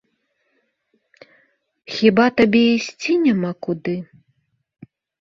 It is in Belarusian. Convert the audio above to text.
Хіба табе ісці няма куды?